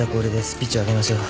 ピッチを上げましょう。